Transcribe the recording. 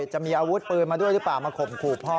จะมีอาวุธปืนมาด้วยหรือเปล่ามาข่มขู่พ่อ